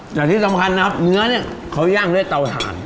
แต่ที่สำคัญนะครับเนื้อเนี่ยเขาย่างด้วยเตาถ่าน